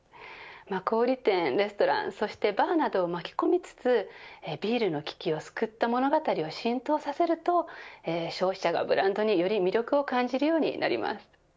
小売店、レストランそしてバーなどを巻き込みつつビールの危機を救った物語を浸透させると消費者がブランドに、より魅力を感じるようになります。